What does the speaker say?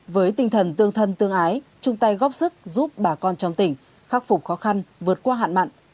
với tinh thần tương thân tương ái chung tay góp sức giúp bà con trong tỉnh khắc phục khó khăn vượt qua hạn mặn